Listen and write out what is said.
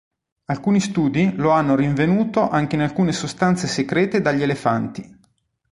Alcuni studi lo hanno rinvenuto anche in alcune sostanze secrete dagli elefanti.